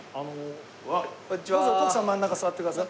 どうぞ徳さん真ん中座ってください。